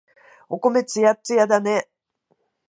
お米、つやっつやだね。